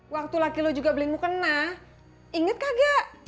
waktu laki lo juga belingmu kena inget kagak